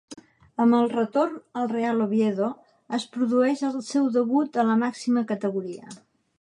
Amb el retorn al Real Oviedo es produeix el seu debut a la màxima categoria.